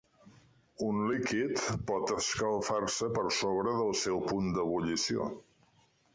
Un líquid pot escalfar-se per sobre del seu punt d'ebullició.